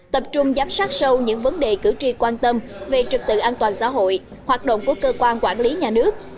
tập trung giám sát sâu những vấn đề cử tri quan tâm về trực tự an toàn xã hội hoạt động của cơ quan quản lý nhà nước